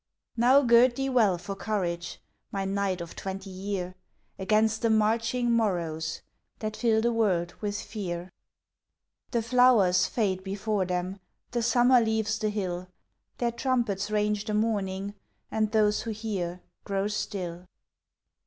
Now gird thee well for courage, My knight of twenty year, Against the marching morrows That fill the world with fear! The flowers fade before them; The summer leaves the hill; Their trumpets range the morning, And those who hear grow still.